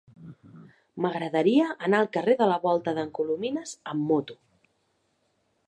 M'agradaria anar al carrer de la Volta d'en Colomines amb moto.